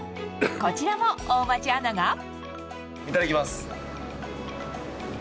こちらも、大町アナが。